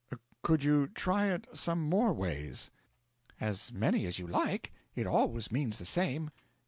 'Could you try it some more ways?' 'As many as you like: it always means the same.